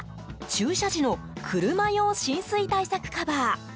駐車時の車用浸水対策カバー。